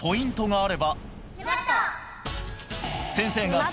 あれ？